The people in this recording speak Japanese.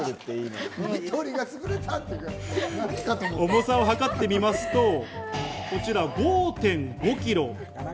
重さを量ってみますと、こちら５．５キロ。